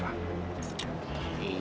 si adriana itu mematirnya reva